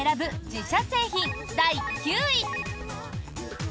自社製品第９位。